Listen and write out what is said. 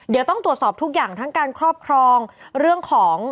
เดี๋ยวต้องตรวจสอบทุกอย่างทั้งการครอบครองเรื่องของ